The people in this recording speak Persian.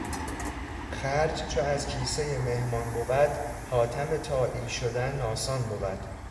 خرج چو از کیسهٔ مهمان بود حاتم طائی شدن آسان بود.